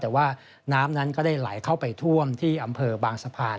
แต่ว่าน้ำนั้นก็ได้ไหลเข้าไปท่วมที่อำเภอบางสะพาน